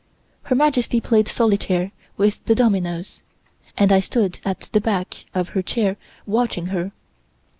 Her Majesty played solitaire with the dominoes, and I stood at the back of her chair watching her.